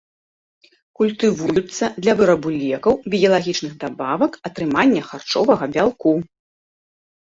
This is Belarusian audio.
Культывуюцца для вырабу лекаў, біялагічных дабавак, атрымання харчовага бялку.